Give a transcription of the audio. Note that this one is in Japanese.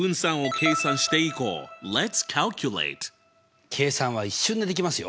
計算は一瞬でできますよ。